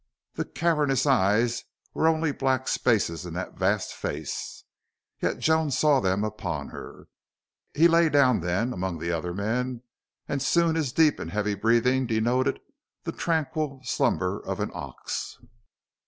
The cavernous eyes were only black spaces in that vast face, yet Joan saw them upon her. He lay down then among the other men and soon his deep and heavy breathing denoted the tranquil slumber of an ox.